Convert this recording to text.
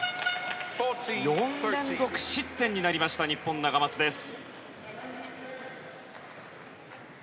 ４連続失点になりました日本、ナガマツです。